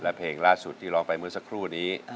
และเพลงล่าสุดที่ร้องไปเมื่อสักครู่นี้